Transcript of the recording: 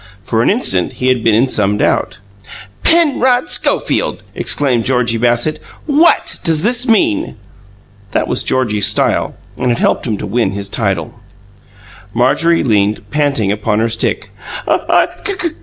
For an instant he had been in some doubt. "Penrod Schofield!" exclaimed Georgie Bassett. "WHAT does this mean?" That was Georgie's style, and had helped to win him his title. Marjorie leaned, panting, upon her stick.